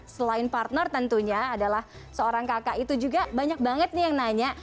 selain partner tentunya adalah seorang kakak itu juga banyak banget nih yang nanya